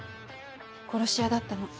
殺し屋だったの。